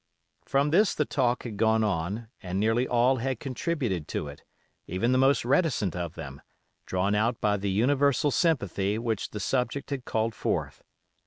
From this the talk had gone on, and nearly all had contributed to it, even the most reticent of them, drawn out by the universal sympathy which the subject had called forth.